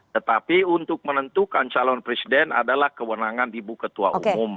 tetapi untuk menentukan calon presiden adalah kewenangan ibu ketua umum